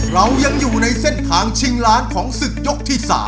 เรายังอยู่ในเส้นทางชิงล้านของศึกยกที่๓